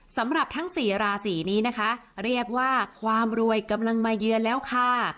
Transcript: สำหรับทั้งสี่ราศีนี้นะคะเรียกว่าความรวยกำลังมาเยือนแล้วค่ะ